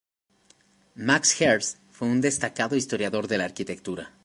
Max Herz fue un destacado historiador de la arquitectura.